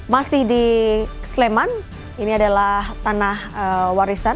masih di sleman ini adalah tanah warisan